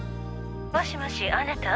もしもしあなた？